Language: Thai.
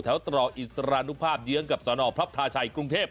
ตรอกอิสรานุภาพเยื้องกับสนพระพลาชัยกรุงเทพ